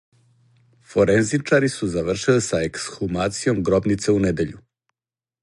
Форензичари су завршили са ексхумацијом гробнице у недељу.